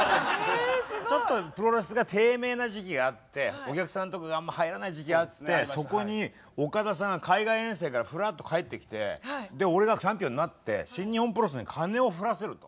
ちょっとプロレスが低迷な時期があってお客さんとかがあんま入らない時期があってそこにオカダさんが海外遠征からふらっと帰ってきて「俺がチャンピオンになって新日本プロレスにカネを降らせる」と。